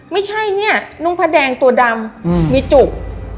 ไม่ใช่เนี่ยนุ่งพระแดงตัวดำมีจุก